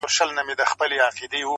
د ګلونو په بستر کي د خزان کیسه کومه -